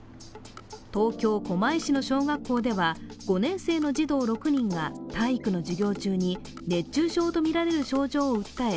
東京・狛江市の小学校では５年生の児童６人が体育の授業中に熱中症とみられる症状を訴え